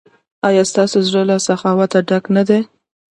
ایا ستاسو زړه له سخاوت ډک نه دی؟